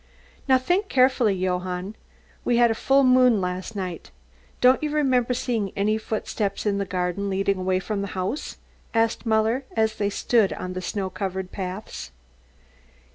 "Now think carefully, Johann. We had a full moon last night. Don't you remember seeing any footsteps in the garden, leading away from the house?" asked Muller, as they stood on the snow covered paths.